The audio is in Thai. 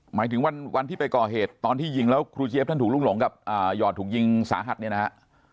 หมายถึงวันที่ไปก่อเหตุตอนที่ยิงแล้วครูเจี๊ยบท่านถูกลุกหลงกับหยอดถูกยิงสาหัสเนี่ยนะฮะ